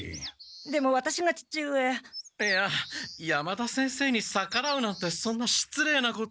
でもワタシが父上いや山田先生にさからうなんてそんなしつれいなこと。